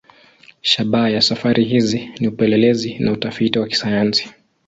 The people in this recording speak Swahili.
Shabaha ya safari hizi ni upelelezi na utafiti wa kisayansi.